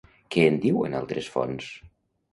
Què en diuen altres fonts?